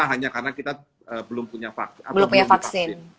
hanya karena kita belum punya vaksin